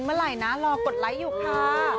เมื่อไหร่นะรอกดไลค์อยู่ค่ะ